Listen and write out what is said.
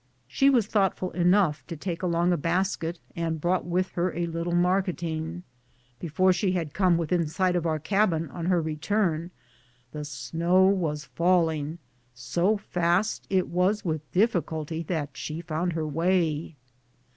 She was thoughtful enough to take along a basket and brought with her a little marketing. Before she had come within sight of our cabin on her return, the snow was falling so fast it was with difficulty that she found her way.